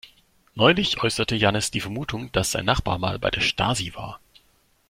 Neulich äußerte Jannis die Vermutung, dass sein Nachbar mal bei der Stasi war.